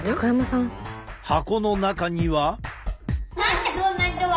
箱の中には。